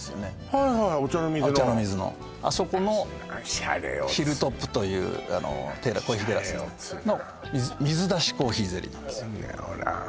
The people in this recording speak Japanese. はいはい御茶ノ水の御茶ノ水のあそこのヒルトップというシャレオツなコーヒーテラスの水出しコーヒーゼリーなんですよ